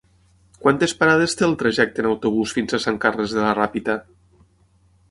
Quantes parades té el trajecte en autobús fins a Sant Carles de la Ràpita?